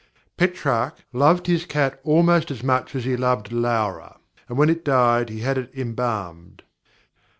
Petrarch loved his cat almost as much as he loved Laura, and when it died he had it embalmed.